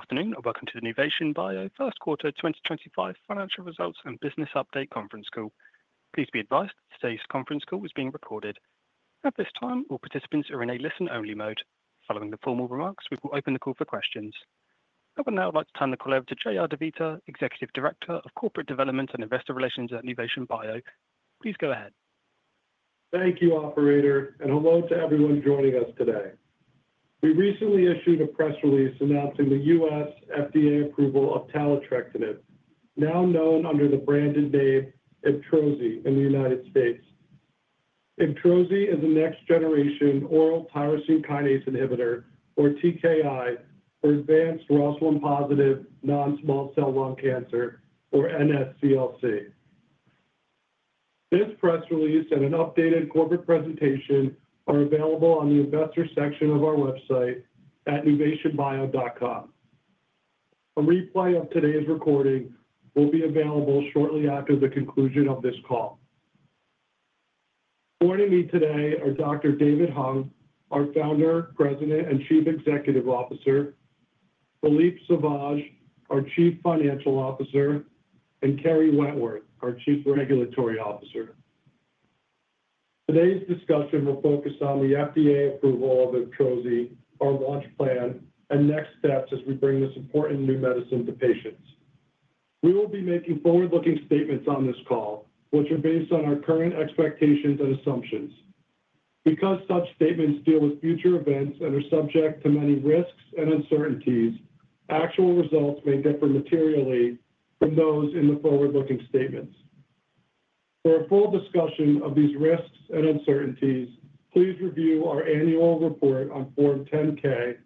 Good afternoon and welcome to the Nuvation Bio First Quarter 2025 financial results and business update conference call. Please be advised that today's conference call is being recorded. At this time, all participants are in a listen-only mode. Following the formal remarks, we will open the call for questions. I would now like to turn the call over to J.R. DeVita, Executive Director of Corporate Development and Investor Relations at Nuvation Bio. Please go ahead. Thank you, Operator, and hello to everyone joining us today. We recently issued a press release announcing the U.S. FDA approval of taletrectinib, now known under the branded name Iptrozi in the United States. Iptrozi is a next-generation oral tyrosine kinase inhibitor, or TKI, for advanced ROS1-positive non-small cell lung cancer, or NSCLC. This press release and an updated corporate presentation are available on the investor section of our website at nuvationbio.com. A replay of today's recording will be available shortly after the conclusion of this call. Joining me today are Dr. David Hung, our Founder, President, and Chief Executive Officer, Philippe Sauvage, our Chief Financial Officer, and Kerry Wentworth, our Chief Regulatory Officer. Today's discussion will focus on the FDA approval of Iptrozi, our launch plan, and next steps as we bring this important new medicine to patients. We will be making forward-looking statements on this call, which are based on our current expectations and assumptions. Because such statements deal with future events and are subject to many risks and uncertainties, actual results may differ materially from those in the forward-looking statements. For a full discussion of these risks and uncertainties, please review our annual report on Form 10-K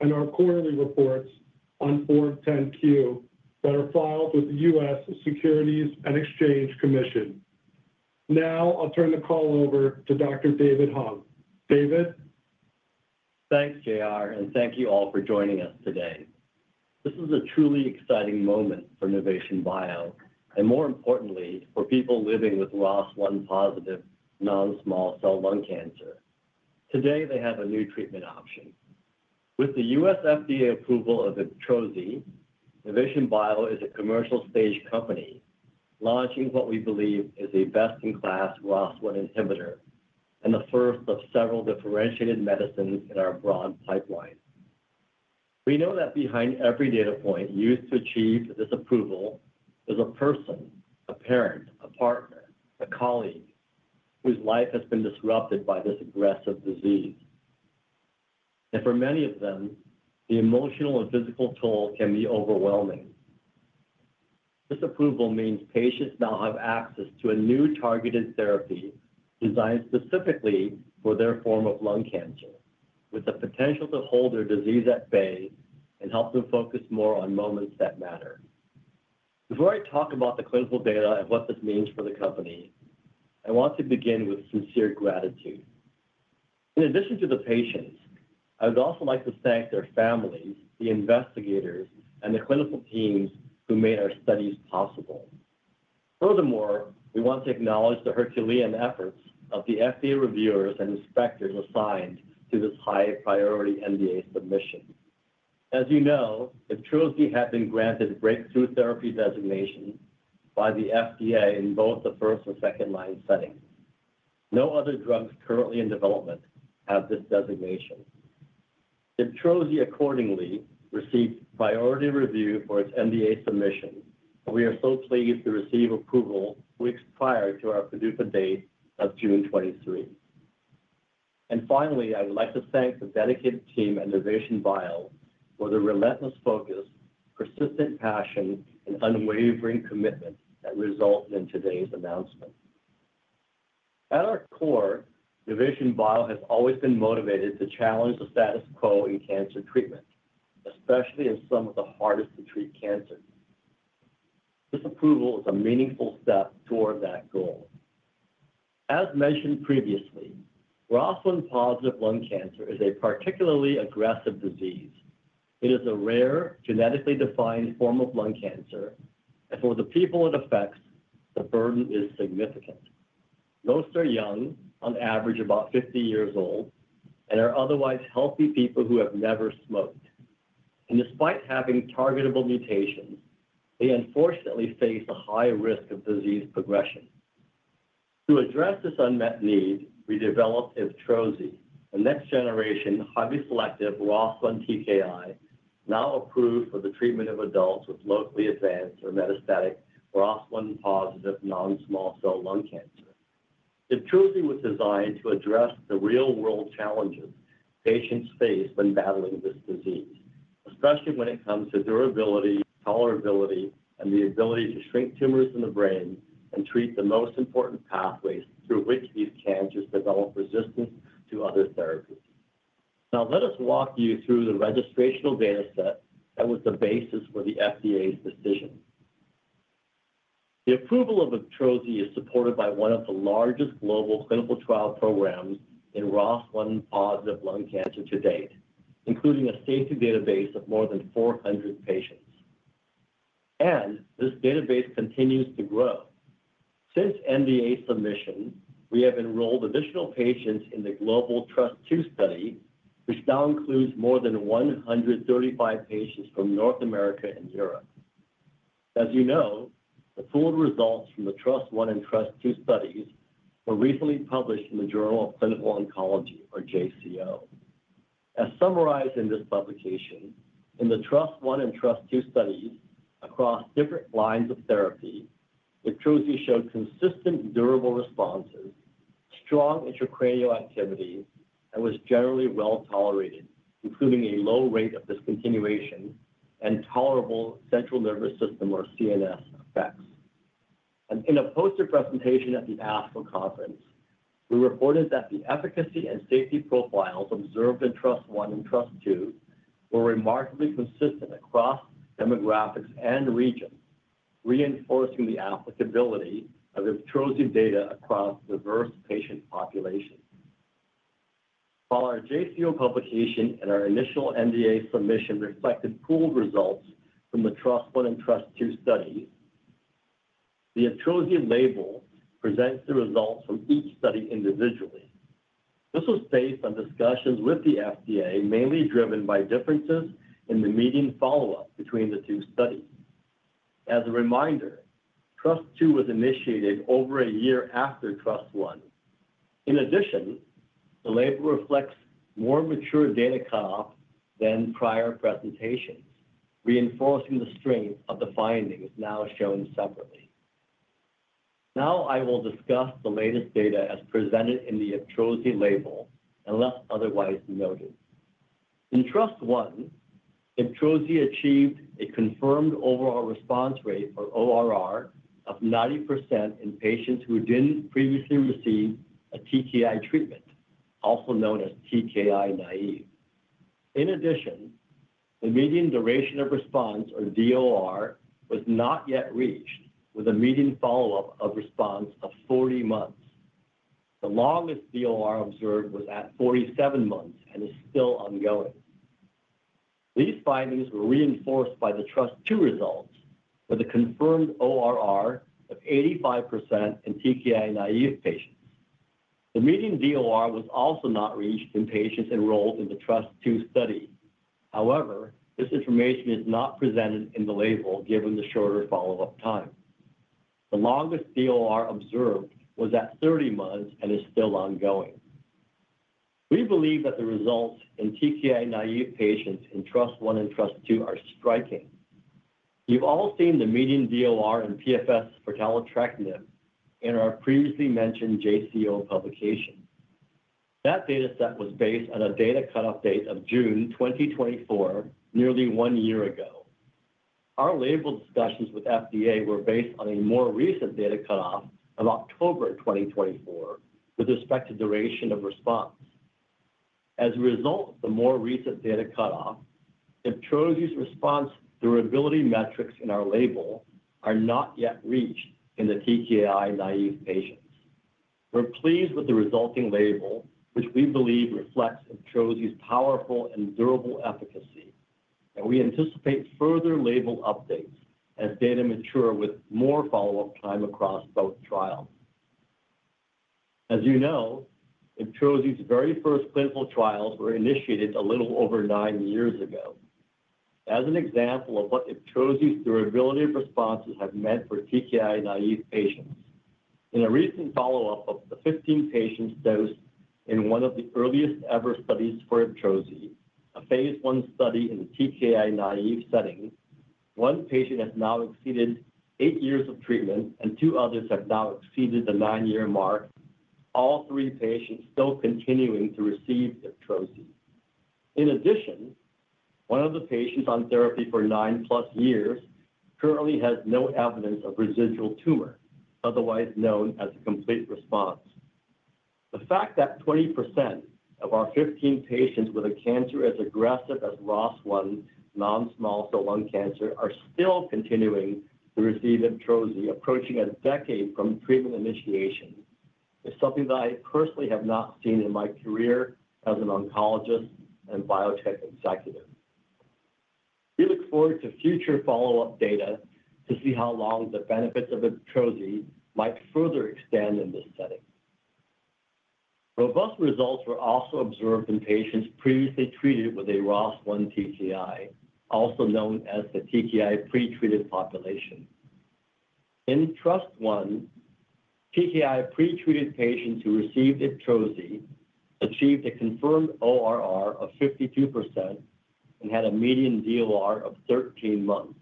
and our quarterly reports on Form 10-Q that are filed with the U.S. Securities and Exchange Commission. Now, I'll turn the call over to Dr. David Hung. David. Thanks, J.R., and thank you all for joining us today. This is a truly exciting moment for Nuvation Bio and, more importantly, for people living with ROS1-positive non-small cell lung cancer. Today, they have a new treatment option. With the U.S. FDA approval of Iptrozi, Nuvation Bio is a commercial-stage company launching what we believe is a best-in-class ROS1 inhibitor and the first of several differentiated medicines in our broad pipeline. We know that behind every data point used to achieve this approval is a person, a parent, a partner, a colleague whose life has been disrupted by this aggressive disease. For many of them, the emotional and physical toll can be overwhelming. This approval means patients now have access to a new targeted therapy designed specifically for their form of lung cancer, with the potential to hold their disease at bay and help them focus more on moments that matter. Before I talk about the clinical data and what this means for the company, I want to begin with sincere gratitude. In addition to the patients, I would also like to thank their families, the investigators, and the clinical teams who made our studies possible. Furthermore, we want to acknowledge the Herculean efforts of the FDA reviewers and inspectors assigned to this high-priority NDA submission. As you know, Iptrozi had been granted breakthrough therapy designation by the FDA in both the first and second-line settings. No other drugs currently in development have this designation. Iptrozi, accordingly, received priority review for its NDA submission, and we are so pleased to receive approval weeks prior to our PDUFA date of June 23. Finally, I would like to thank the dedicated team at Nuvation Bio for their relentless focus, persistent passion, and unwavering commitment that resulted in today's announcement. At our core, Nuvation Bio has always been motivated to challenge the status quo in cancer treatment, especially in some of the hardest-to-treat cancers. This approval is a meaningful step toward that goal. As mentioned previously, ROS1-positive lung cancer is a particularly aggressive disease. It is a rare, genetically defined form of lung cancer, and for the people it affects, the burden is significant. Most are young, on average about 50 years old, and are otherwise healthy people who have never smoked. Despite having targetable mutations, they unfortunately face a high risk of disease progression. To address this unmet need, we developed Iptrozi, a next-generation highly selective ROS1 TKI, now approved for the treatment of adults with locally advanced or metastatic ROS1-positive non-small cell lung cancer. Iptrozi was designed to address the real-world challenges patients face when battling this disease, especially when it comes to durability, tolerability, and the ability to shrink tumors in the brain and treat the most important pathways through which these cancers develop resistance to other therapies. Now, let us walk you through the registrational data set that was the basis for the FDA's decision. The approval of Iptrozi is supported by one of the largest global clinical trial programs in ROS1-positive lung cancer to date, including a safety database of more than 400 patients. This database continues to grow. Since NDA submission, we have enrolled additional patients in the global Trust 2 study, which now includes more than 135 patients from North America and Europe. As you know, the full results from the Trust 1 and Trust 2 studies were recently published in the Journal of Clinical Oncology, or JCO. As summarized in this publication, in the Trust 1 and Trust 2 studies, across different lines of therapy, Iptrozi showed consistent durable responses, strong intracranial activity, and was generally well tolerated, including a low rate of discontinuation and tolerable central nervous system, or CNS, effects. In a poster presentation at the ASCO conference, we reported that the efficacy and safety profiles observed in Trust 1 and Trust 2 were remarkably consistent across demographics and regions, reinforcing the applicability of Iptrozi data across diverse patient populations. While our JCO publication and our initial NDA submission reflected pooled results from the Trust 1 and Trust 2 studies, the Iptrozi label presents the results from each study individually. This was based on discussions with the FDA, mainly driven by differences in the median follow-up between the two studies. As a reminder, Trust 2 was initiated over a year after Trust 1. In addition, the label reflects more mature data cutoffs than prior presentations, reinforcing the strength of the findings now shown separately. Now, I will discuss the latest data as presented in the Iptrozi label unless otherwise noted. In Trust 1, Iptrozi achieved a confirmed overall response rate, or ORR, of 90% in patients who did not previously receive a TKI treatment, also known as TKI naive. In addition, the median duration of response, or DOR, was not yet reached, with a median follow-up of response of 40 months. The longest DOR observed was at 47 months and is still ongoing. These findings were reinforced by the Trust 2 results, with a confirmed ORR of 85% in TKI naive patients. The median DOR was also not reached in patients enrolled in the Trust 2 study. However, this information is not presented in the label given the shorter follow-up time. The longest DOR observed was at 30 months and is still ongoing. We believe that the results in TKI naive patients in Trust 1 and Trust 2 are striking. You've all seen the median DOR and PFS for taletrectinib in our previously mentioned JCO publication. That data set was based on a data cutoff date of June 2024, nearly one year ago. Our label discussions with FDA were based on a more recent data cutoff of October 2024 with respect to duration of response. As a result of the more recent data cutoff, Iptrozi's response durability metrics in our label are not yet reached in the TKI naive patients. We're pleased with the resulting label, which we believe reflects Iptrozi's powerful and durable efficacy, and we anticipate further label updates as data mature with more follow-up time across both trials. As you know, Iptrozi's very first clinical trials were initiated a little over nine years ago. As an example of what Iptrozi's durability of responses have meant for TKI naive patients, in a recent follow-up of the 15 patients dosed in one of the earliest-ever studies for Iptrozi, a phase one study in the TKI naive setting, one patient has now exceeded eight years of treatment, and two others have now exceeded the nine-year mark, all three patients still continuing to receive Iptrozi. In addition, one of the patients on therapy for nine-plus years currently has no evidence of residual tumor, otherwise known as a complete response. The fact that 20% of our 15 patients with a cancer as aggressive as ROS1-positive non-small cell lung cancer are still continuing to receive Iptrozi, approaching a decade from treatment initiation, is something that I personally have not seen in my career as an Oncologist and biotech executive. We look forward to future follow-up data to see how long the benefits of Iptrozi might further extend in this setting. Robust results were also observed in patients previously treated with a ROS1 TKI, also known as the TKI pretreated population. In Trust 1, TKI pretreated patients who received Iptrozi achieved a confirmed ORR of 52% and had a median DOR of 13 months,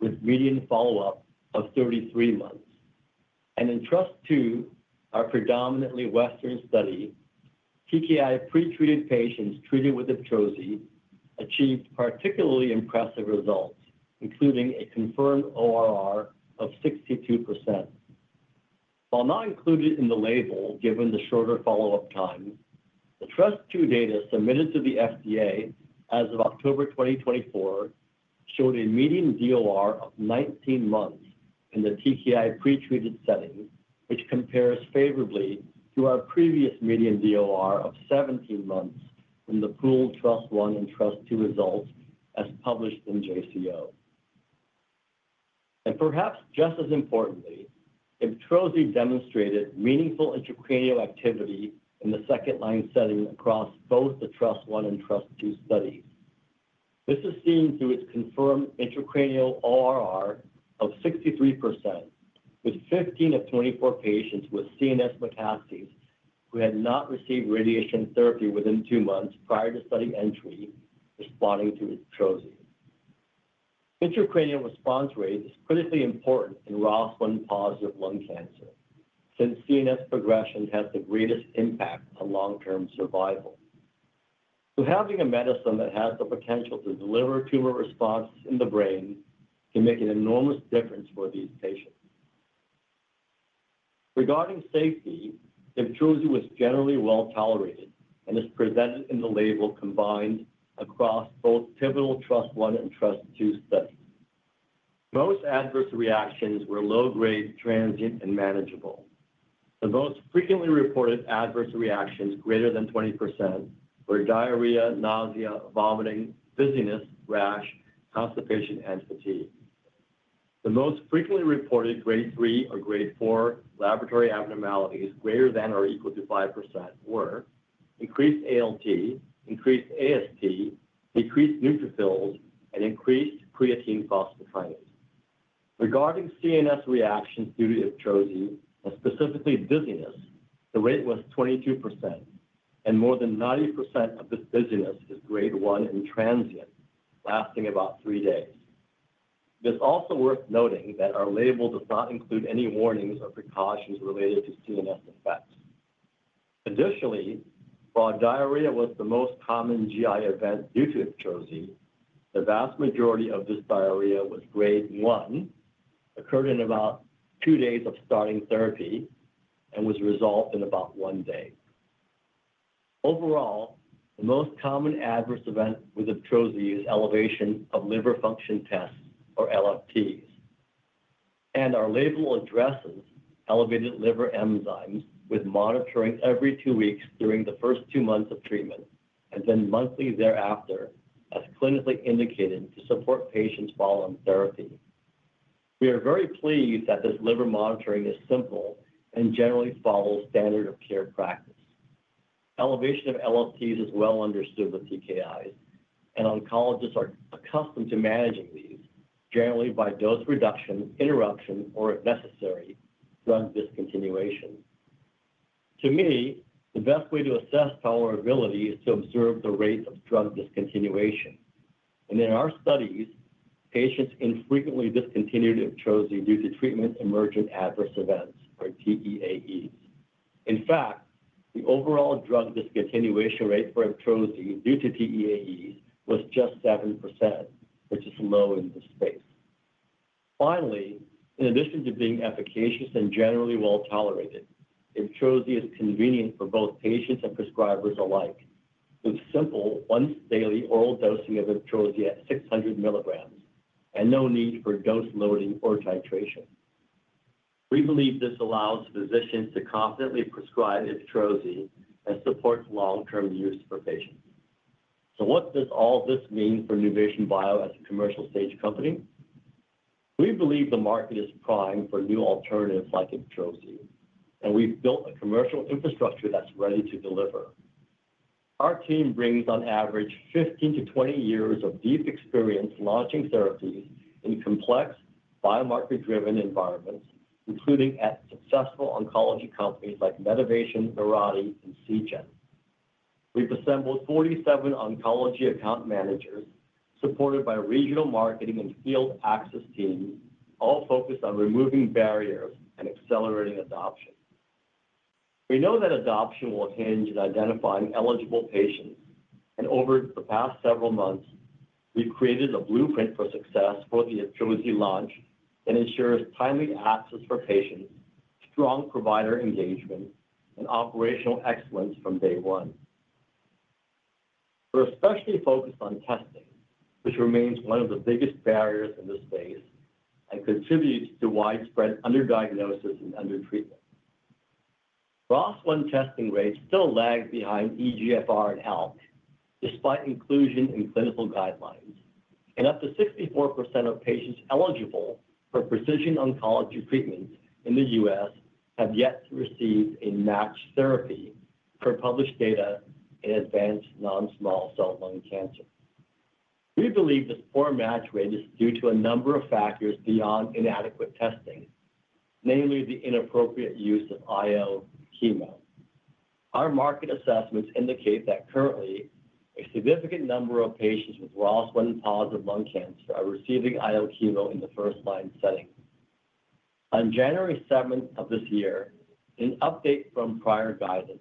with median follow-up of 33 months. In Trust 2, our predominantly Western study, TKI pretreated patients treated with Iptrozi achieved particularly impressive results, including a confirmed ORR of 62%. While not included in the label given the shorter follow-up time, the Trust 2 data submitted to the FDA as of October 2024 showed a median DOR of 19 months in the TKI pretreated setting, which compares favorably to our previous median DOR of 17 months from the pooled Trust 1 and Trust 2 results as published in JCO. Perhaps just as importantly, Iptrozi demonstrated meaningful intracranial activity in the second-line setting across both the Trust 1 and Trust 2 studies. This is seen through its confirmed intracranial ORR of 63%, with 15 of 24 patients with CNS metastases who had not received radiation therapy within two months prior to study entry responding to Iptrozi. Intracranial response rate is critically important in ROS1-positive lung cancer since CNS progression has the greatest impact on long-term survival. Having a medicine that has the potential to deliver tumor responses in the brain can make an enormous difference for these patients. Regarding safety, Iptrozi was generally well tolerated and is presented in the label combined across both pivotal Trust 1 and Trust 2 studies. Most adverse reactions were low-grade, transient, and manageable. The most frequently reported adverse reactions, greater than 20%, were diarrhea, nausea, vomiting, dizziness, rash, constipation, and fatigue. The most frequently reported grade 3 or grade 4 laboratory abnormalities, greater than or equal to 5%, were increased ALT, increased AST, decreased neutrophils, and increased creatine phosphokinase. Regarding CNS reactions due to Iptrozi, and specifically dizziness, the rate was 22%, and more than 90% of this dizziness is grade 1 and transient, lasting about three days. It's also worth noting that our label does not include any warnings or precautions related to CNS effects. Additionally, while diarrhea was the most common GI event due to Iptrozi, the vast majority of this diarrhea was grade 1, occurred in about two days of starting therapy, and was resolved in about one day. Overall, the most common adverse event with Iptrozi is elevation of liver function tests, or LFTs. Our label addresses elevated liver enzymes with monitoring every two weeks during the first two months of treatment, and then monthly thereafter, as clinically indicated, to support patients following therapy. We are very pleased that this liver monitoring is simple and generally follows standard of care practice. Elevation of LFTs is well understood with TKIs, and Oncologists are accustomed to managing these, generally by dose reduction, interruption, or, if necessary, drug discontinuation. To me, the best way to assess tolerability is to observe the rate of drug discontinuation. In our studies, patients infrequently discontinued Iptrozi due to treatment emergent adverse events, or TEAEs. In fact, the overall drug discontinuation rate for Iptrozi due to TEAEs was just 7%, which is low in this space. Finally, in addition to being efficacious and generally well tolerated, Iptrozi is convenient for both patients and prescribers alike, with simple once-daily oral dosing of Iptrozi at 600 milligrams and no need for dose loading or titration. We believe this allows physicians to confidently prescribe Iptrozi and supports long-term use for patients. What does all this mean for Nuvation Bio as a commercial-stage company? We believe the market is primed for new alternatives like Iptrozi, and we've built a commercial infrastructure that's ready to deliver. Our team brings, on average, 15-20 years of deep experience launching therapies in complex, biomarker-driven environments, including at successful oncology companies like Mirati and Seagen. We've assembled 47 oncology account managers supported by regional marketing and field access teams, all focused on removing barriers and accelerating adoption. We know that adoption will hinge on identifying eligible patients, and over the past several months, we've created a blueprint for success for the Iptrozi launch that ensures timely access for patients, strong provider engagement, and operational excellence from day one. We're especially focused on testing, which remains one of the biggest barriers in this space and contributes to widespread underdiagnosis and undertreatment. ROS1 testing rates still lag behind EGFR and ALK, despite inclusion in clinical guidelines, and up to 64% of patients eligible for precision oncology treatments in the U.S. have yet to receive a matched therapy per published data in advanced non-small cell lung cancer. We believe this poor match rate is due to a number of factors beyond inadequate testing, namely the inappropriate use of IO chemo. Our market assessments indicate that currently, a significant number of patients with ROS1-positive lung cancer are receiving IO chemo in the first-line setting. On January 7th of this year, in update from prior guidance,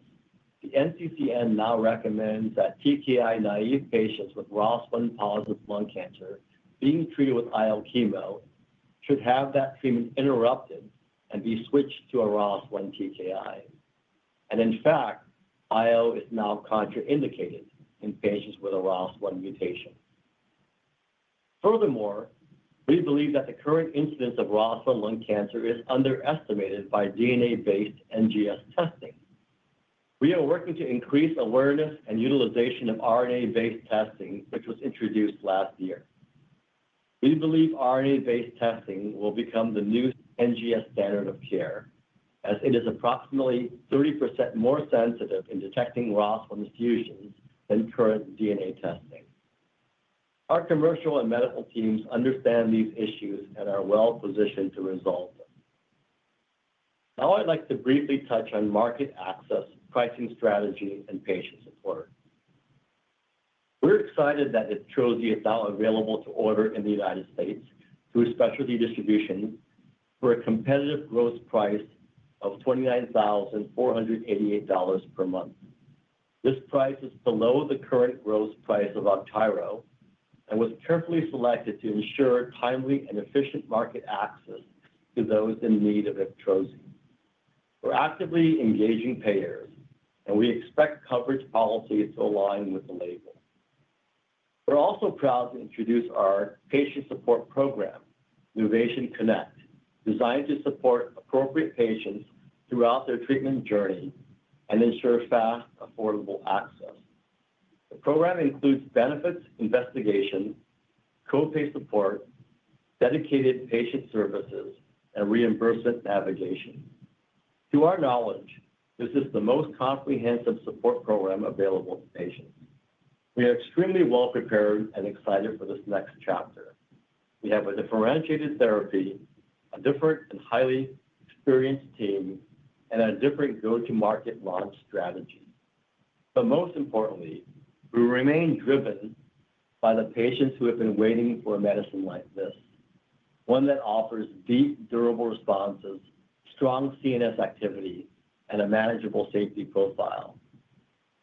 the NCCN now recommends that TKI naive patients with ROS1-positive lung cancer being treated with IO chemo should have that treatment interrupted and be switched to a ROS1 TKI. In fact, IO is now contraindicated in patients with a ROS1 mutation. Furthermore, we believe that the current incidence of ROS1 lung cancer is underestimated by DNA-based NGS testing. We are working to increase awareness and utilization of RNA-based testing, which was introduced last year. We believe RNA-based testing will become the new NGS standard of care, as it is approximately 30% more sensitive in detecting ROS1 fusions than current DNA testing. Our commercial and medical teams understand these issues and are well positioned to resolve them. Now, I'd like to briefly touch on market access, pricing strategy, and patient support. We're excited that Iptrozi is now available to order in the United States through specialty distribution for a competitive gross price of $29,488 per month. This price is below the current gross price of Augtyro and was carefully selected to ensure timely and efficient market access to those in need of Iptrozi. We're actively engaging payers, and we expect coverage policies to align with the label. We're also proud to introduce our patient support program, Nuvation Connect, designed to support appropriate patients throughout their treatment journey and ensure fast, affordable access. The program includes benefits investigation, copay support, dedicated patient services, and reimbursement navigation. To our knowledge, this is the most comprehensive support program available to patients. We are extremely well prepared and excited for this next chapter. We have a differentiated therapy, a different and highly experienced team, and a different go-to-market launch strategy. Most importantly, we remain driven by the patients who have been waiting for a medicine like this, one that offers deep, durable responses, strong CNS activity, and a manageable safety profile.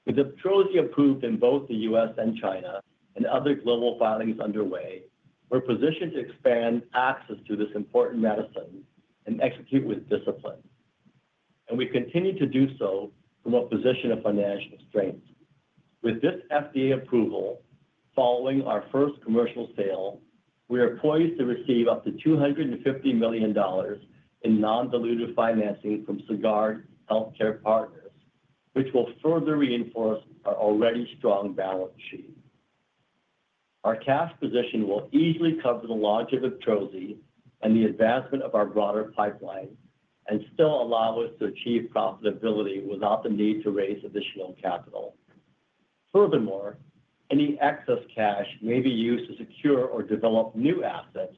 With Iptrozi approved in both the U.S. and China and other global filings underway, we're positioned to expand access to this important medicine and execute with discipline. We continue to do so from a position of financial strength. With this FDA approval, following our first commercial sale, we are poised to receive up to $250 million in non-dilutive financing from Sagard Healthcare Partners, which will further reinforce our already strong balance sheet. Our cash position will easily cover the launch of Iptrozi and the advancement of our broader pipeline and still allow us to achieve profitability without the need to raise additional capital. Furthermore, any excess cash may be used to secure or develop new assets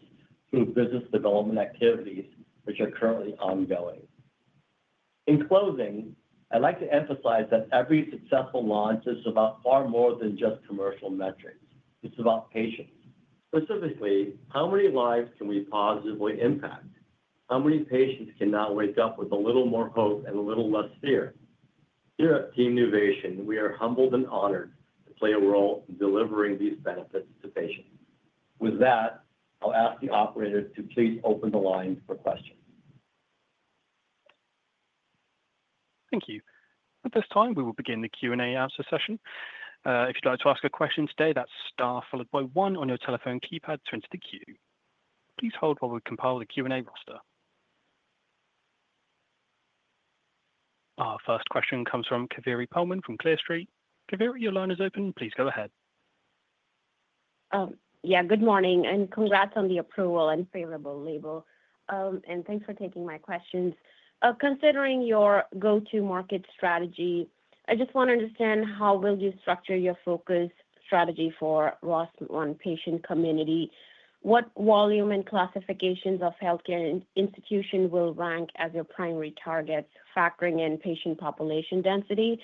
through business development activities, which are currently ongoing. In closing, I'd like to emphasize that every successful launch is about far more than just commercial metrics. It's about patients. Specifically, how many lives can we positively impact? How many patients can now wake up with a little more hope and a little less fear? Here at Team Nuvation, we are humbled and honored to play a role in delivering these benefits to patients. With that, I'll ask the operator to please open the line for questions. Thank you. At this time, we will begin the Q&A answer session. If you'd like to ask a question today, that's STAR followed by 1 on your telephone keypad to enter the queue. Please hold while we compile the Q&A roster. Our first question comes from Kaveri Pellman from Clear Street. Kaveri, your line is open. Please go ahead. Yeah, good morning, and congrats on the approval and favorable label. Thanks for taking my questions. Considering your go-to-market strategy, I just want to understand how will you structure your focus strategy for ROS1 patient community? What volume and classifications of healthcare institutions will rank as your primary targets, factoring in patient population density?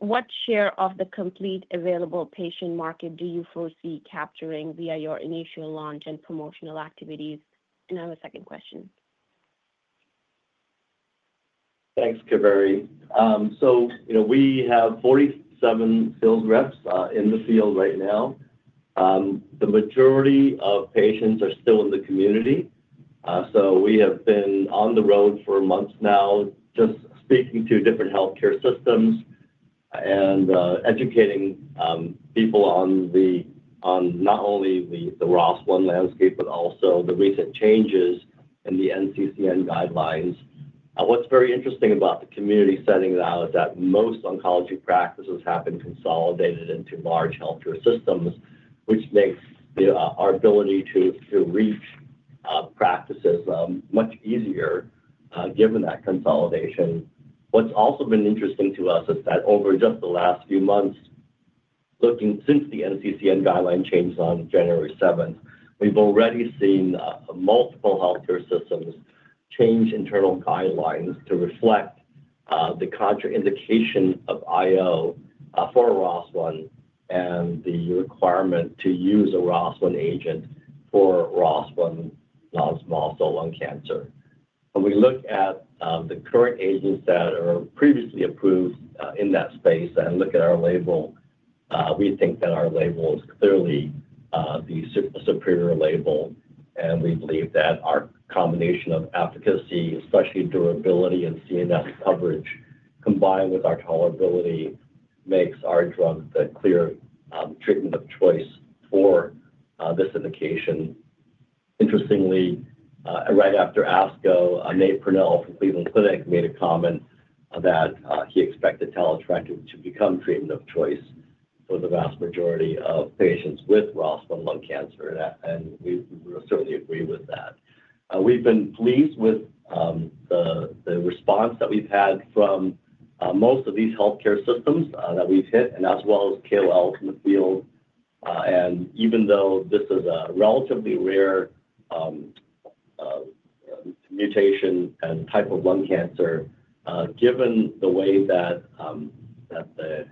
What share of the complete available patient market do you foresee capturing via your initial launch and promotional activities? I have a second question. Thanks, Kaveri. We have 47 field reps in the field right now. The majority of patients are still in the community. We have been on the road for months now, just speaking to different healthcare systems and educating people on not only the ROS1 landscape, but also the recent changes in the NCCN guidelines. What's very interesting about the community setting now is that most oncology practices have been consolidated into large healthcare systems, which makes our ability to reach practices much easier given that consolidation. What's also been interesting to us is that over just the last few months, looking since the NCCN guideline changed on January 7th, we've already seen multiple healthcare systems change internal guidelines to reflect the contraindication of IO for ROS1 and the requirement to use a ROS1 agent for ROS1 non-small cell lung cancer. When we look at the current agents that are previously approved in that space and look at our label, we think that our label is clearly the superior label. We believe that our combination of efficacy, especially durability and CNS coverage, combined with our tolerability, makes our drug the clear treatment of choice for this indication. Interestingly, right after ASCO, Nate Purnell from Cleveland Clinic made a comment that he expected taletrectinib to become treatment of choice for the vast majority of patients with ROS1 lung cancer. We certainly agree with that. We've been pleased with the response that we've had from most of these healthcare systems that we've hit, as well as KOLs in the field. Even though this is a relatively rare mutation and type of lung cancer, given the way that the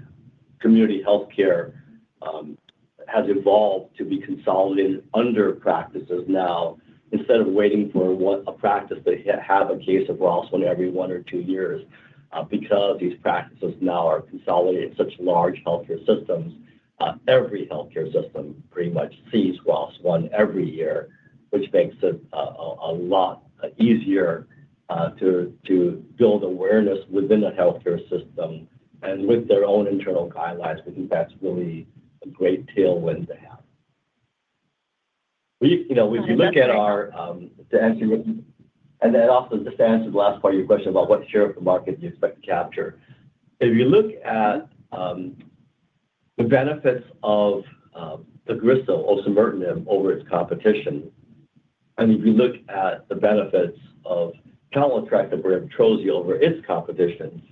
community healthcare has evolved to be consolidated under practices now, instead of waiting for a practice to have a case of ROS1 every one or two years, because these practices now are consolidated in such large healthcare systems, every healthcare system pretty much sees ROS1 every year, which makes it a lot easier to build awareness within the healthcare system and with their own internal guidelines. I think that's really a great tailwind to have. If you look at our—and that also just answers the last part of your question about what share of the market you expect to capture. If you look at the benefits of Xalkori or entrectinib over its competition, and if you look at the benefits of taletrectinib or Iptrozi over its competition,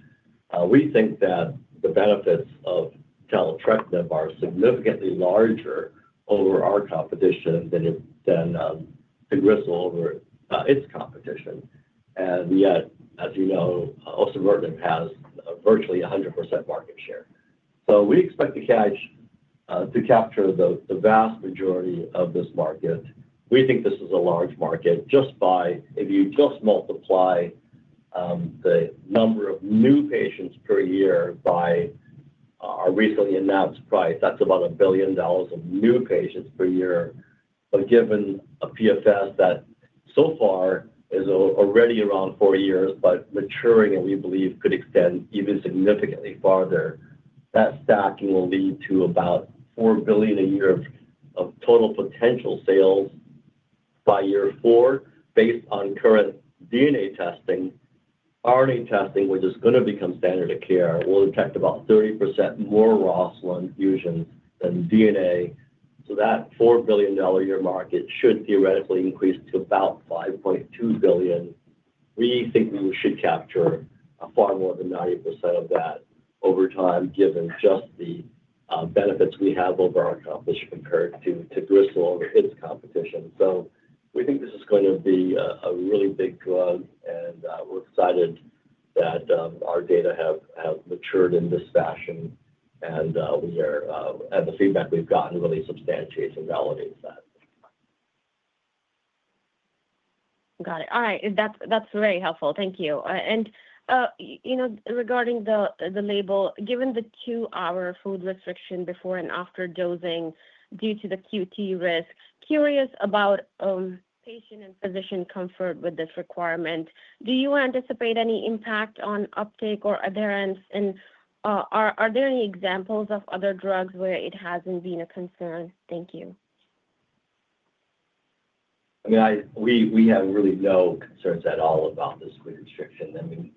we think that the benefits of taletrectinib are significantly larger over our competition than the Xalkori over its competition. Yet, as you know, entrectinib has virtually 100% market share. We expect to capture the vast majority of this market. We think this is a large market just by—if you just multiply the number of new patients per year by our recently announced price, that's about $1 billion of new patients per year. Given a PFS that so far is already around four years, but maturing, and we believe could extend even significantly farther, that stacking will lead to about $4 billion a year of total potential sales by year four, based on current DNA testing. RNA testing, which is going to become standard of care, will detect about 30% more ROS1 fusions than DNA. So that $4 billion a year market should theoretically increase to about $5.2 billion. We think we should capture far more than 90% of that over time, given just the benefits we have over our competition compared to Xalkori over its competition. We think this is going to be a really big drug, and we're excited that our data have matured in this fashion. We are—and the feedback we've gotten really substantiates and validates that. Got it. All right. That's very helpful. Thank you. And regarding the label, given the two-hour food restriction before and after dosing due to the QT risk, curious about patient and physician comfort with this requirement. Do you anticipate any impact on uptake or adherence? Are there any examples of other drugs where it hasn't been a concern? Thank you. I mean, we have really no concerns at all about this food restriction. I mean,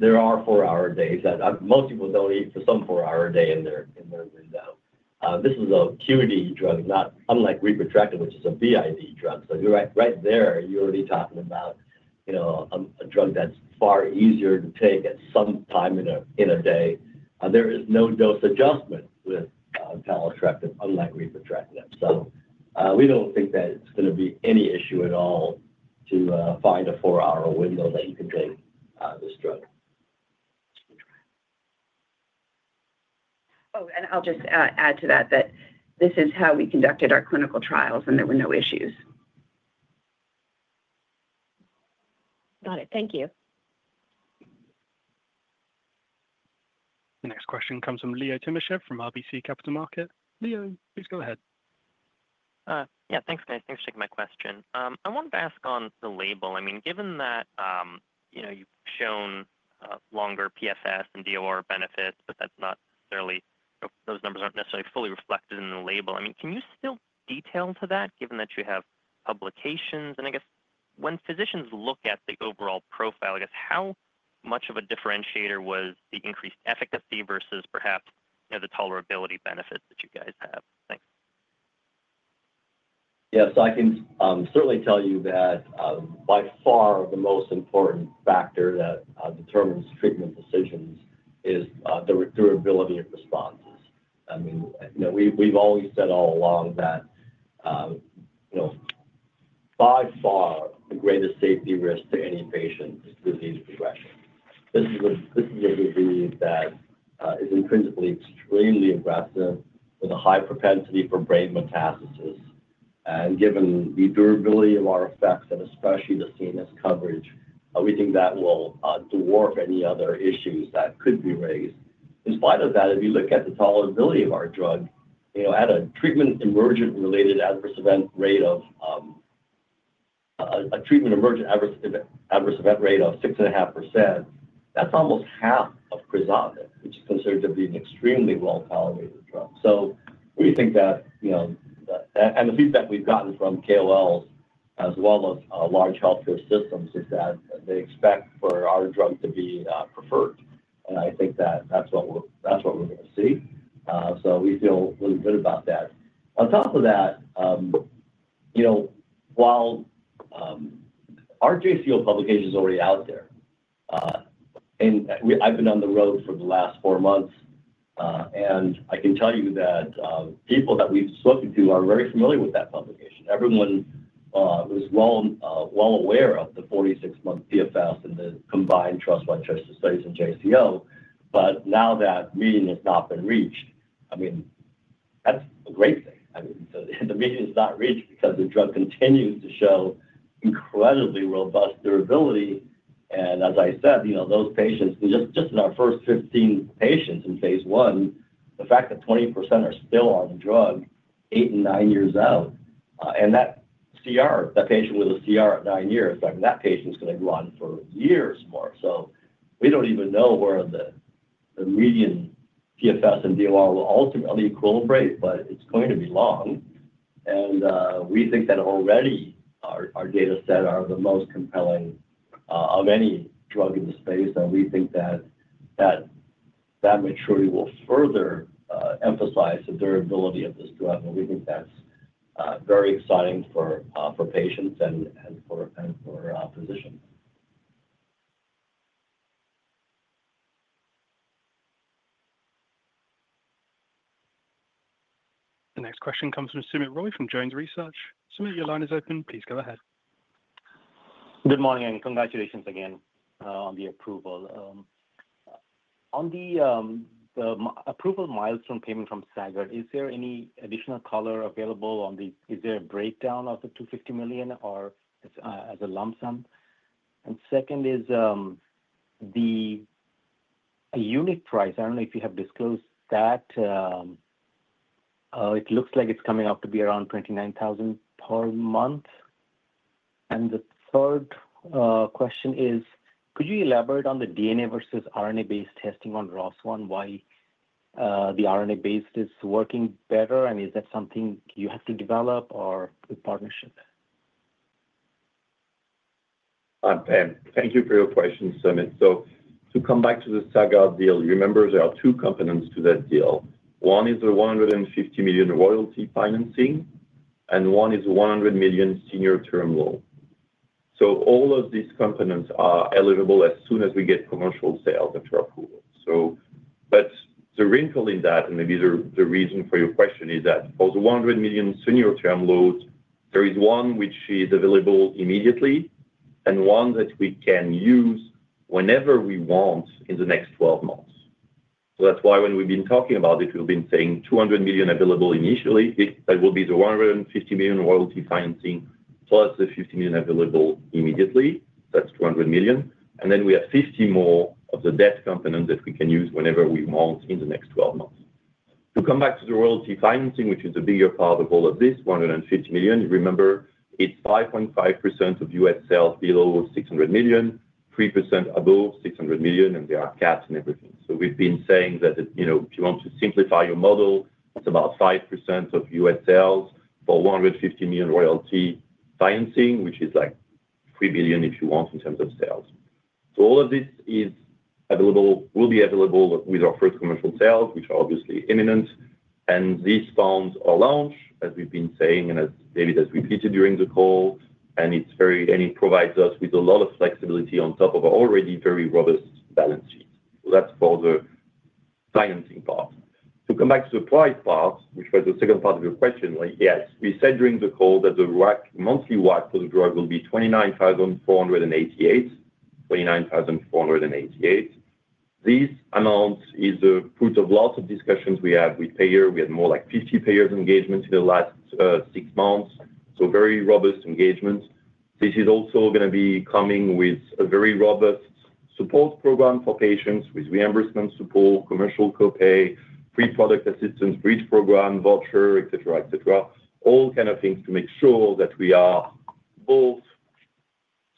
there are four-hour days. Most people don't eat for some four-hour day in their window. This is a QD drug, unlike Repotrectinib, which is a BID drug. Right there, you're already talking about a drug that's far easier to take at some time in a day. There is no dose adjustment with Taletrectinib, unlike Repotrectinib. We don't think that it's going to be any issue at all to find a four-hour window that you can take this drug. Oh, and I'll just add to that that this is how we conducted our clinical trials and there were no issues. Got it. Thank you. The next question comes from Leonid Timashev from RBC Capital Markets. Leo, please go ahead. Yeah. Thanks, guys. Thanks for taking my question. I wanted to ask on the label. I mean, given that you've shown longer PFS and DOR benefits, but those numbers aren't necessarily fully reflected in the label. I mean, can you still detail to that, given that you have publications? And I guess when physicians look at the overall profile, I guess how much of a differentiator was the increased efficacy versus perhaps the tolerability benefits that you guys have? Thanks. Yeah. So I can certainly tell you that by far the most important factor that determines treatment decisions is the durability of responses. I mean, we've always said all along that by far the greatest safety risk to any patient is disease progression. This is a disease that is intrinsically extremely aggressive with a high propensity for brain metastasis. Given the durability of our effects, and especially the CNS coverage, we think that will dwarf any other issues that could be raised. In spite of that, if you look at the tolerability of our drug, at a treatment emergent adverse event rate of 6.5%, that's almost half of Xalkori, which is considered to be an extremely well-tolerated drug. We think that—and the feedback we've gotten from KOLs as well as large healthcare systems is that they expect for our drug to be preferred. I think that that's what we're going to see. We feel really good about that. On top of that, while our JCO publication is already out there, and I've been on the road for the last four months, I can tell you that people that we've spoken to are very familiar with that publication. Everyone was well aware of the 46-month PFS and the combined Trust 1, Trust 2 studies in JCO. Now that median has not been reached, I mean, that's a great thing. I mean, the median is not reached because the drug continues to show incredibly robust durability. As I said, those patients, just in our first 15 patients in phase one, the fact that 20% are still on the drug eight and nine years out. That CR, that patient with a CR at nine years, that patient is going to go on for years more. We do not even know where the median PFS and DOR will ultimately equilibrate, but it is going to be long. We think that already our data set are the most compelling of any drug in the space. We think that that maturity will further emphasize the durability of this drug. We think that's very exciting for patients and for physicians. The next question comes from Soumit Roy from Jones Research. Soumit, your line is open. Please go ahead. Good morning, and congratulations again on the approval. On the approval milestone payment from Sagard, is there any additional color available on the—is there a breakdown of the $250 million or is it a lump sum? The second is the unit price. I do not know if you have disclosed that. It looks like it's coming up to be around $29,000 per month. The third question is, could you elaborate on the DNA versus RNA-based testing on ROS1, why the RNA-based is working better? Is that something you have to develop or a partnership? Thank you for your question, Soumit. To come back to the Sagard deal, remember there are two components to that deal. One is the $150 million royalty financing, and one is $100 million senior term loan. All of these components are eligible as soon as we get commercial sales after approval. The wrinkle in that, and maybe the reason for your question, is that for the $100 million senior term loans, there is one which is available immediately and one that we can use whenever we want in the next 12 months. That is why when we have been talking about it, we have been saying $200 million available initially. That will be the $150 million royalty financing plus the $50 million available immediately. That is $200 million. We have $50 million more of the debt component that we can use whenever we want in the next 12 months. To come back to the royalty financing, which is the bigger part of all of this, $150 million, remember it's 5.5% of U.S. sales below $600 million, 3% above $600 million, and there are caps and everything. We've been saying that if you want to simplify your model, it's about 5% of U.S. sales for $150 million royalty financing, which is like $3 billion if you want in terms of sales. All of this will be available with our first commercial sales, which are obviously imminent. These funds are launched, as we've been saying, and as David has repeated during the call. It provides us with a lot of flexibility on top of our already very robust balance sheet. That's for the financing part. To come back to the price part, which was the second part of your question, yes, we said during the call that the monthly WAC for the drug will be $29,488. $29,488. This amount is the fruit of lots of discussions we have with payers. We had more like 50 payers' engagements in the last six months. Very robust engagement. This is also going to be coming with a very robust support program for patients with reimbursement support, commercial copay, pre-product assistance, bridge program, voucher, etc. All kinds of things to make sure that we are both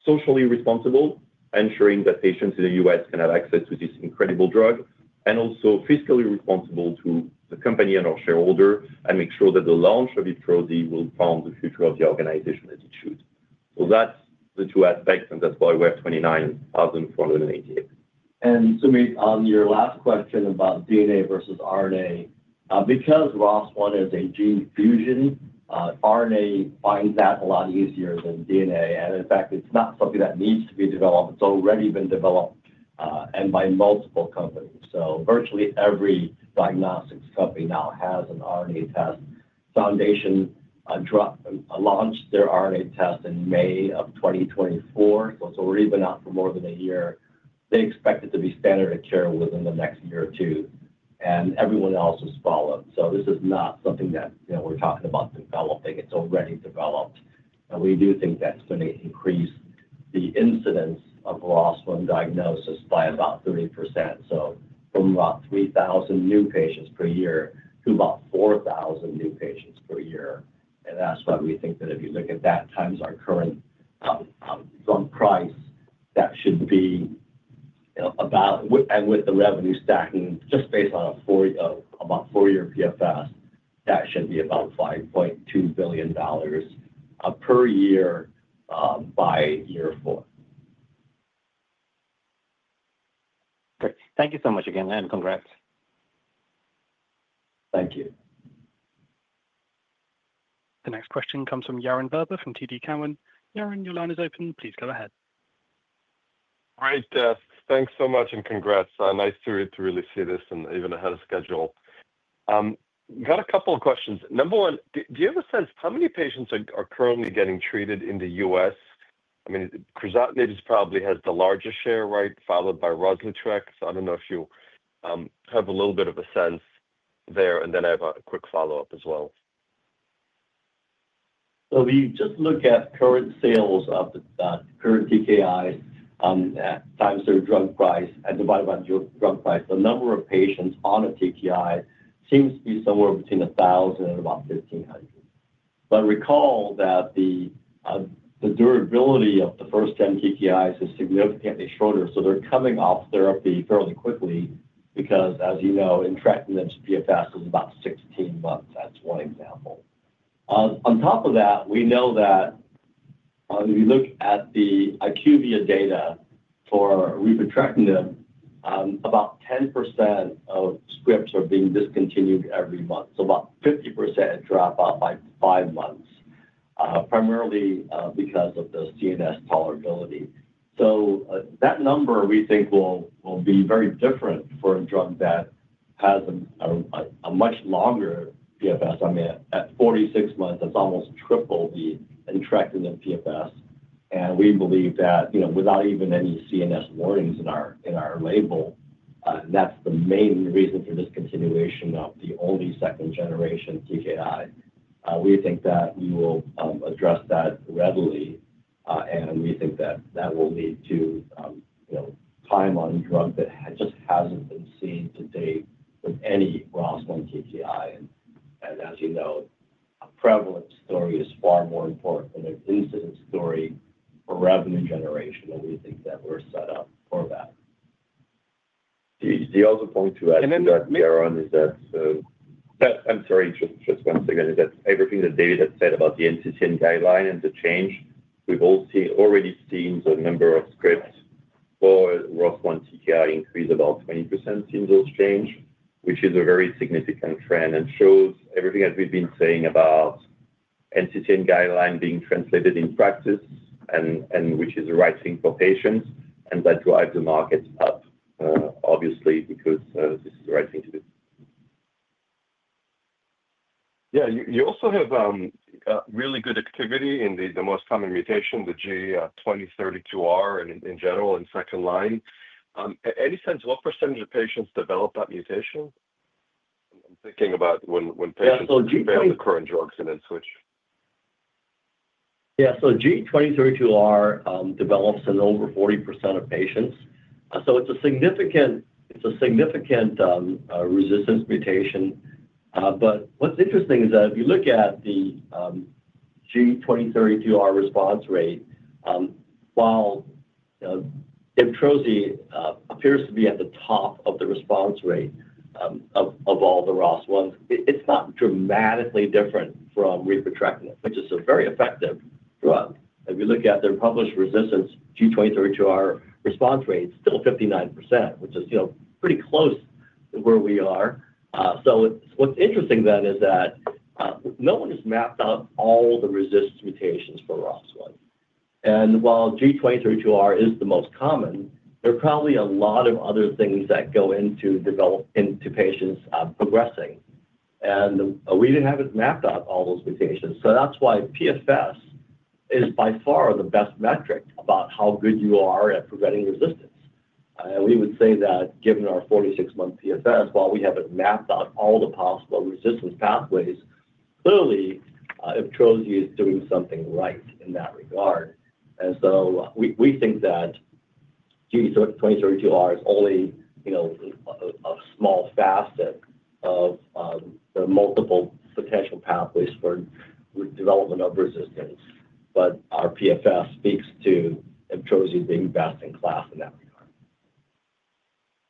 socially responsible, ensuring that patients in the U.S. can have access to this incredible drug, and also fiscally responsible to the company and our shareholder, and make sure that the launch of Iptrozi will fund the future of the organization as it should. That's the two aspects, and that's why we're at 29,488. Soumit, on your last question about DNA versus RNA, because ROS1 is a gene fusion, RNA finds that a lot easier than DNA. In fact, it's not something that needs to be developed. It's already been developed by multiple companies. Virtually every diagnostics company now has an RNA test. Foundation launched their RNA test in May 2024. It's already been out for more than a year. They expect it to be standard of care within the next year or two. Everyone else has followed. This is not something that we're talking about developing. It's already developed. We do think that's going to increase the incidence of ROS1 diagnosis by about 30%. From about 3,000 new patients per year to about 4,000 new patients per year. That's why we think that if you look at that times our current drug price, that should be about, and with the revenue stacking just based on about four-year PFS, that should be about $5.2 billion per year by year four. Great. Thank you so much again, and congrats. Thank you. The next question comes from Yaron Werber from TD Cowen. Yaron, your line is open. Please go ahead. All right. Thanks so much and congrats. Nice to really see this and even ahead of schedule. Got a couple of questions. Number one, do you have a sense how many patients are currently getting treated in the U.S.? I mean, Xalkori probably has the largest share, right, followed by Rozlytrek. I don't know if you have a little bit of a sense there. And then I have a quick follow-up as well. We just look at current sales of the current TKI times their drug price and divide by drug price. The number of patients on a TKI seems to be somewhere between 1,000 and about 1,500. Recall that the durability of the first-time TKIs is significantly shorter. They're coming off therapy fairly quickly because, as you know, entrectinib's PFS is about 16 months. That's one example. On top of that, we know that if you look at the IQVIA data for repotrectinib, about 10% of scripts are being discontinued every month. About 50% drop off by five months, primarily because of the CNS tolerability. That number we think will be very different for a drug that has a much longer PFS. I mean, at 46 months, that's almost triple the entrectinib PFS. We believe that without even any CNS warnings in our label, that's the main reason for discontinuation of the only second-generation TKI. We think that we will address that readily. We think that that will lead to time on a drug that just hasn't been seen to date with any ROS1 TKI. As you know, a prevalent story is far more important than an incident story for revenue generation. We think that we're set up for that. The other point to add to that, Yaron, is that—I'm sorry, just once again—is that everything that David had said about the NCCN guideline and the change, we've already seen the number of scripts for ROS1 TKI increase about 20% since those change, which is a very significant trend and shows everything that we've been saying about NCCN guideline being translated in practice, and which is the right thing for patients. That drives the market up, obviously, because this is the right thing to do. Yeah. You also have really good activity in the most common mutation, the G2032R, in general in second line. Any sense, what percentage of patients develop that mutation? I'm thinking about when patients fail the current drugs and then switch. Yeah. So G2032R develops in over 40% of patients. So it's a significant resistance mutation. What is interesting is that if you look at the G2032R response rate, while Iptrozi appears to be at the top of the response rate of all the ROS1s, it is not dramatically different from repotrectinib, which is a very effective drug. If you look at their published resistance G2032R response rate, it is still 59%, which is pretty close to where we are. What is interesting then is that no one has mapped out all the resistance mutations for ROS1. While G2032R is the most common, there are probably a lot of other things that go into patients progressing. We did not have it mapped out, all those mutations. That is why PFS is by far the best metric about how good you are at preventing resistance. We would say that given our 46-month PFS, while we haven't mapped out all the possible resistance pathways, clearly Iptrozi is doing something right in that regard. We think that G2032R is only a small facet of the multiple potential pathways for development of resistance. Our PFS speaks to Iptrozi being best in class in that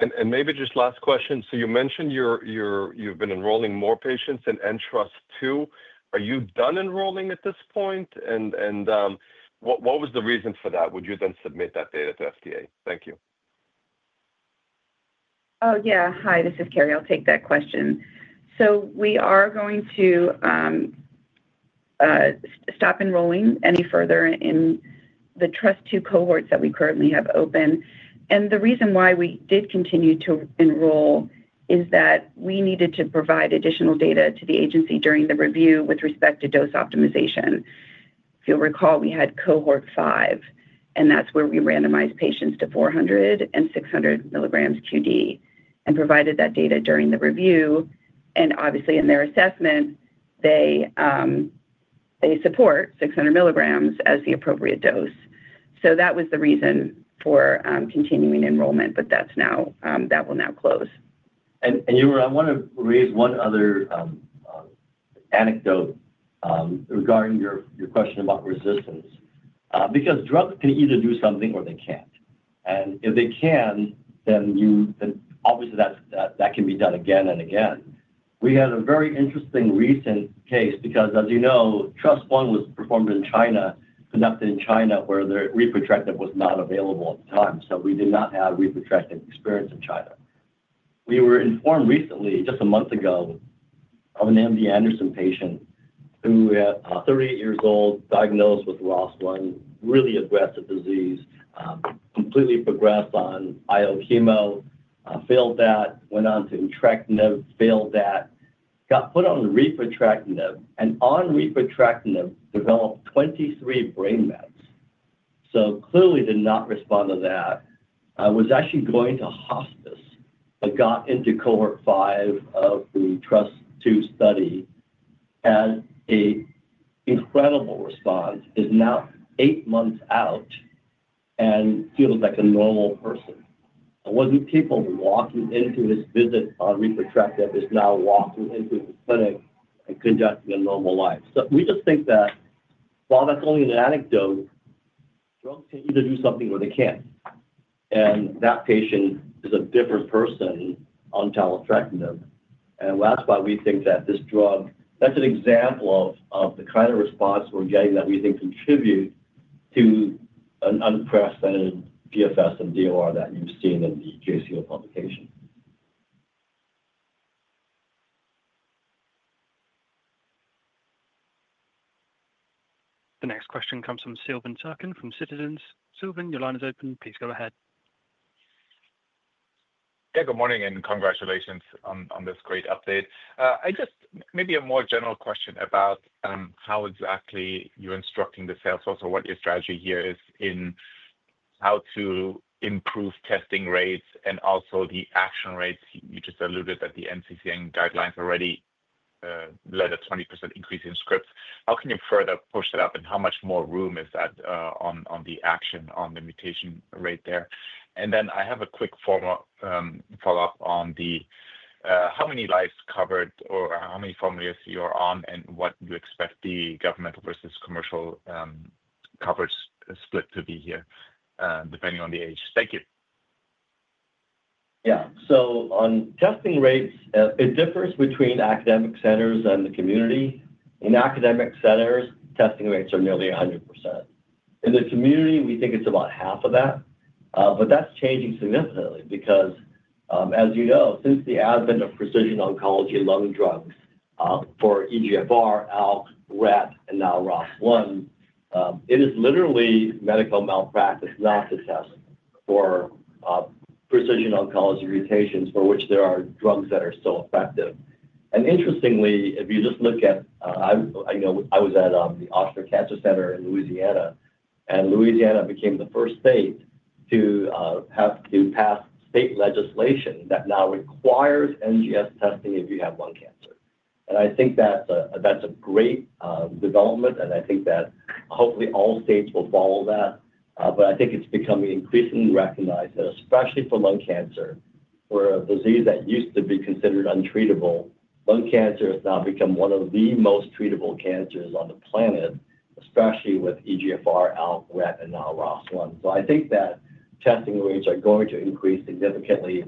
regard. Maybe just last question. You mentioned you've been enrolling more patients in TRUST 2. Are you done enrolling at this point? What was the reason for that? Would you then submit that data to FDA? Thank you. Oh, yeah. Hi, this is Kerry. I'll take that question. We are going to stop enrolling any further in the TRUST 2 cohorts that we currently have open. The reason why we did continue to enroll is that we needed to provide additional data to the agency during the review with respect to dose optimization. If you'll recall, we had cohort 5, and that's where we randomized patients to 400 and 600 milligrams q.d. and provided that data during the review. Obviously, in their assessment, they support 600 milligrams as the appropriate dose. That was the reason for continuing enrollment, but that will now close. Yaron, I want to raise one other anecdote regarding your question about resistance. Because drugs can either do something or they can't. If they can, then obviously that can be done again and again. We had a very interesting recent case because, as you know, Trust 1 was performed in China, conducted in China, where repotrectinib was not available at the time. We did not have repotrectinib experience in China. We were informed recently, just a month ago, of an MD Anderson patient who was 38 years old, diagnosed with ROS1, really aggressive disease, completely progressed on IO chemo, failed that, went on to entrectinib, failed that, got put on repotrectinib, and on repotrectinib developed 23 brain mets. Clearly did not respond to that. Was actually going to hospice, but got into cohort 5 of the TRUST 2 study, has an incredible response. Is now eight months out and feels like a normal person. It was not people walking into his visit on repotrectinib. It is now walking into the clinic and conducting a normal life. We just think that while that is only an anecdote, drugs can either do something or they cannot. That patient is a different person on taletrectinib. That is why we think that this drug, that is an example of the kind of response we are getting that we think contributes to an unprecedented PFS and DOR that you have seen in the JCO publication. The next question comes from Sylvan Terkin from Citizens. Sylvan, your line is open. Please go ahead. Yeah. Good morning and congratulations on this great update. Maybe a more general question about how exactly you are instructing the sales force, or what your strategy here is in how to improve testing rates and also the action rates. You just alluded that the NCCN guidelines already led a 20% increase in scripts. How can you further push that up? And how much more room is that on the action, on the mutation rate there? I have a quick follow-up on how many lives covered or how many formularies you are on and what you expect the governmental versus commercial coverage split to be here depending on the age. Thank you. Yeah. On testing rates, it differs between academic centers and the community. In academic centers, testing rates are nearly 100%. In the community, we think it's about half of that. That's changing significantly because, as you know, since the advent of precision oncology lung drugs for EGFR, ALK, RET, and now ROS1, it is literally medical malpractice not to test for precision oncology mutations for which there are drugs that are still effective. Interestingly, if you just look at, I was at the Ochsner Cancer Center in Louisiana, and Louisiana became the first state to pass state legislation that now requires NGS testing if you have lung cancer. I think that's a great development, and I think that hopefully all states will follow that. I think it's becoming increasingly recognized, especially for lung cancer, for a disease that used to be considered untreatable. Lung cancer has now become one of the most treatable cancers on the planet, especially with EGFR, ALK, RET, and now ROS1. I think that testing rates are going to increase significantly.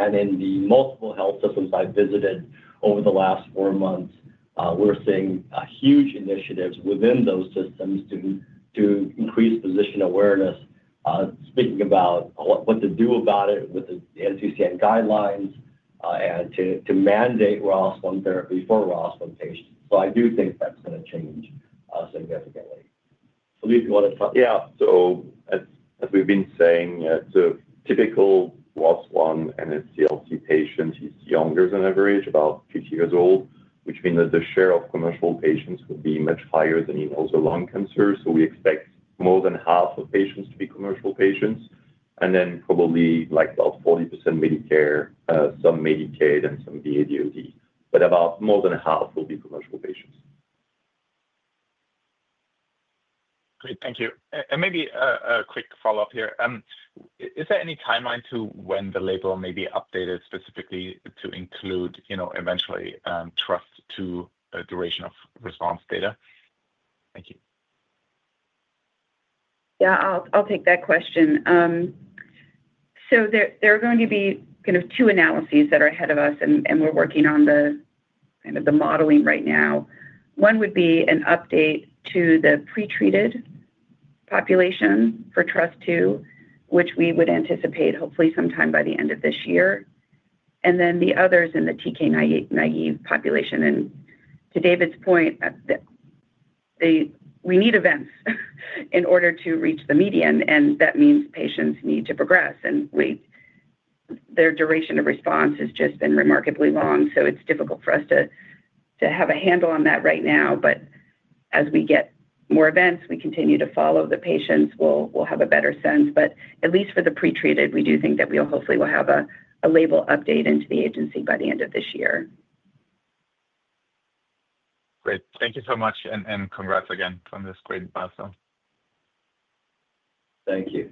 In the multiple health systems I visited over the last four months, we're seeing huge initiatives within those systems to increase physician awareness, speaking about what to do about it with the NCCN guidelines and to mandate ROS1 therapy for ROS1 patients. I do think that's going to change significantly. Do you want to talk? Yeah. As we've been saying, the typical ROS1 NSCLC patient is younger than average, about 50 years old, which means that the share of commercial patients will be much higher than in other lung cancer. We expect more than half of patients to be commercial patients, and then probably about 40% Medicare, some Medicaid, and some VA/DOD. More than half will be commercial patients. Great. Thank you. Maybe a quick follow-up here. Is there any timeline to when the label may be updated specifically to include eventually TRUST 2 duration of response data? Thank you. Yeah. I'll take that question. There are going to be kind of two analyses that are ahead of us, and we're working on the modeling right now. One would be an update to the pretreated population for TRUST 2, which we would anticipate hopefully sometime by the end of this year. Then the others in the TKI naive population. To David's point, we need events in order to reach the median, and that means patients need to progress. Their duration of response has just been remarkably long. It is difficult for us to have a handle on that right now. As we get more events, we continue to follow the patients, and we will have a better sense. At least for the pretreated, we do think that we hopefully will have a label update into the agency by the end of this year. Great. Thank you so much. Congrats again on this great milestone. Thank you.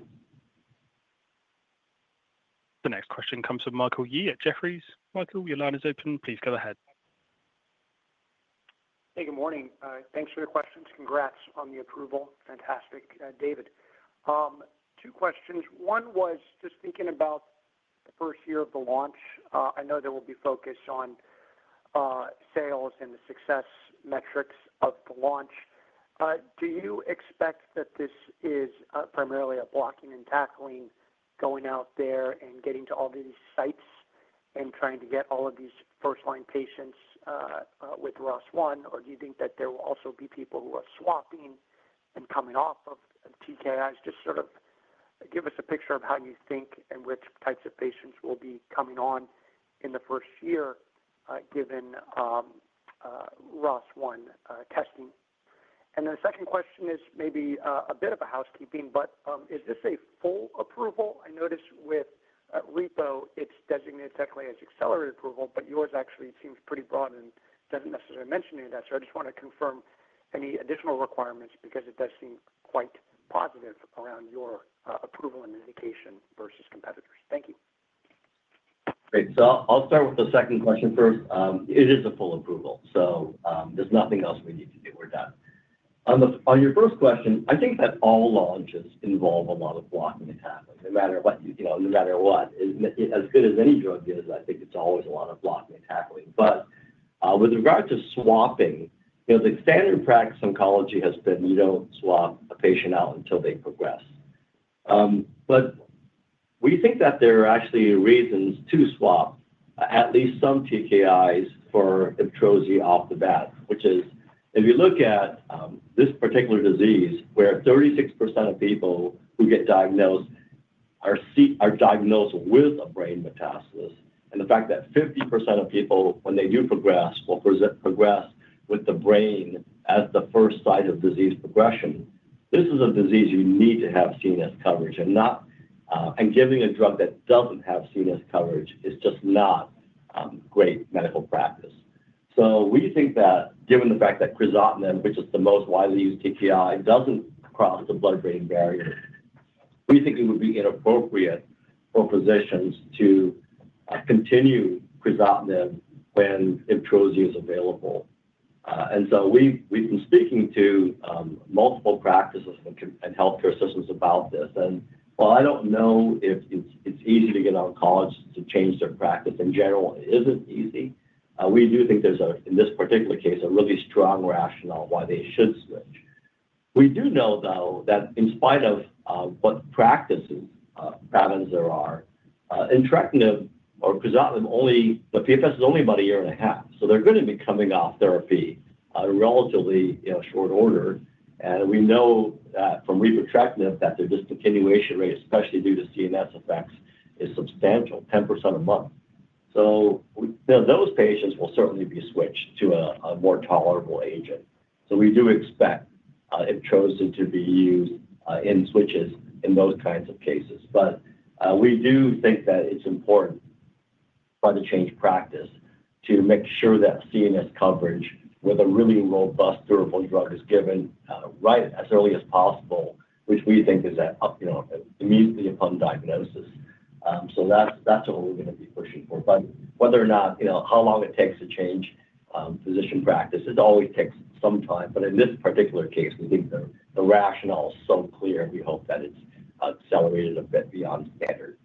The next question comes from Michael Yee at Jefferies. Michael, your line is open. Please go ahead. Hey, good morning. Thanks for your questions. Congrats on the approval. Fantastic. David, two questions. One was just thinking about the first year of the launch. I know there will be focus on sales and the success metrics of the launch. Do you expect that this is primarily a blocking and tackling going out there and getting to all these sites and trying to get all of these first-line patients with ROS1? Or do you think that there will also be people who are swapping and coming off of TKIs? Just sort of give us a picture of how you think and which types of patients will be coming on in the first year given ROS1 testing. The second question is maybe a bit of housekeeping, but is this a full approval? I noticed with Repo, it's designated technically as accelerated approval, but yours actually seems pretty broad and doesn't necessarily mention any of that. I just want to confirm any additional requirements because it does seem quite positive around your approval and indication versus competitors. Thank you. Great. I'll start with the second question first. It is a full approval. There's nothing else we need to do. We're done. On your first question, I think that all launches involve a lot of blocking and tackling, no matter what. As good as any drug is, I think it's always a lot of blocking and tackling. With regard to swapping, the standard practice in oncology has been you do not swap a patient out until they progress. We think that there are actually reasons to swap at least some TKIs for Iptrozi off the bat, which is if you look at this particular disease where 36% of people who get diagnosed are diagnosed with a brain metastasis, and the fact that 50% of people, when they do progress, will progress with the brain as the first site of disease progression, this is a disease you need to have CNS coverage. Giving a drug that does not have CNS coverage is just not great medical practice. We think that given the fact that Crizotinib, which is the most widely used TKI, does not cross the blood-brain barrier, it would be inappropriate for physicians to continue Crizotinib when Iptrozi is available. We have been speaking to multiple practices and healthcare systems about this. While I don't know if it's easy to get oncologists to change their practice, in general, it isn't easy. We do think there's, in this particular case, a really strong rationale why they should switch. We do know, though, that in spite of what practices Pavan's there are, entrectinib or crizotinib, the PFS is only about a year and a half. They're going to be coming off therapy in relatively short order. We know from repotrectinib that their discontinuation rate, especially due to CNS effects, is substantial, 10% a month. Those patients will certainly be switched to a more tolerable agent. We do expect Iptrozi to be used in switches in those kinds of cases. We do think that it's important by the change practice to make sure that CNS coverage with a really robust, durable drug is given right as early as possible, which we think is immediately upon diagnosis. That's what we're going to be pushing for. Whether or not how long it takes to change physician practice always takes some time. In this particular case, we think the rationale is so clear, we hope that it's accelerated a bit beyond standard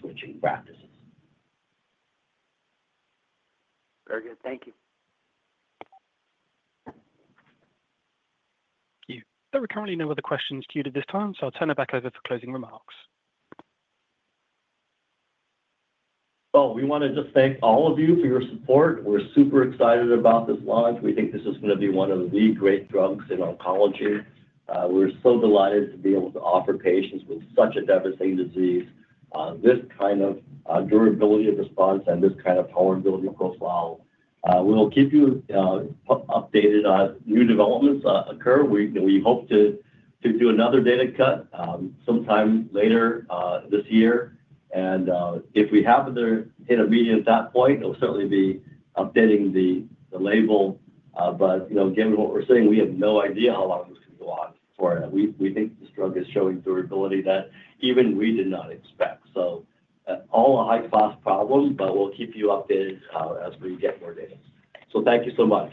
switching practices. Very good. Thank you. There are currently no other questions queued at this time, so I'll turn it back over for closing remarks. We want to just thank all of you for your support. We're super excited about this launch. We think this is going to be one of the great drugs in oncology. We're so delighted to be able to offer patients with such a devastating disease this kind of durability of response and this kind of tolerability profile. We'll keep you updated on new developments that occur. We hope to do another data cut sometime later this year. If we happen to hit a meeting at that point, we'll certainly be updating the label. Again, what we're saying, we have no idea how long this can go on for. We think this drug is showing durability that even we did not expect. All a high-class problem, but we'll keep you updated as we get more data. Thank you so much.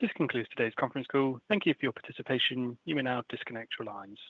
This concludes today's conference call. Thank you for your participation. You may now disconnect your lines.